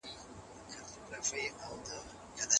حیات الله ته خپل پلار ډېر په یاد کېده.